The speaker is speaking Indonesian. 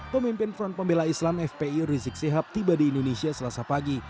pemimpin front pembela islam fpi rizik sihab tiba di indonesia selasa pagi